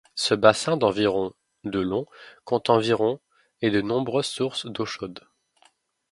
Ce bassin d'environ de long, compte environ et de nombreuses sources d'eau chaude.